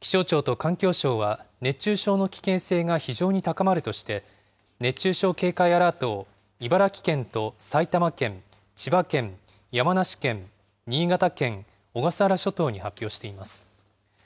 気象庁と環境省は熱中症の危険性が非常に高まるとして、熱中症警戒アラートを茨城県と埼玉県、千葉県、山梨県、新潟県、小笠原諸島に発表しています。